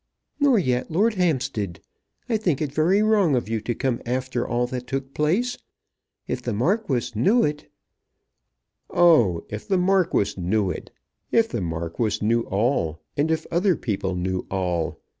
"Nor yet Lord Hampstead. I think it very wrong of you to come after all that took place. If the Marquis knew it " Oh! If the Marquis knew it! If the Marquis knew all, and if other people knew all!